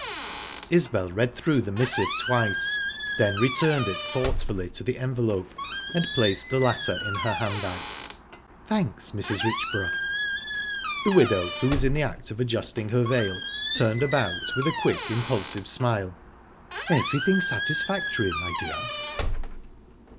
Isbel read through the missive twice, then returned it thoughtfully to the envelope and placed the latter in her hand bag. "Thanks, Mrs. Richborough!" The widow, who was in the act of adjusting her veil, turned about with a quick, impulsive smile. "Everything satisfactory, my dear?"